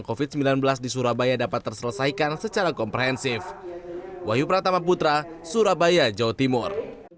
karena ini adalah bagian dari komitmen kita bersama untuk membangun kehidupan yang baik